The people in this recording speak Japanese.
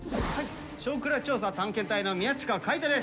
少クラ調査探検隊の宮近海斗です！